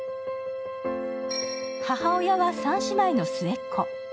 母親は三姉妹の末っ子。